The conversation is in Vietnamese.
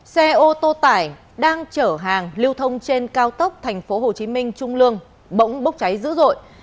xe ô tô tải đang chở hàng lưu thông trên cao tốc thành phố hồ chí minh trung lương bỗng bốc cháy dữ dội